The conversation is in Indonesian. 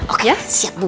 oke siap bu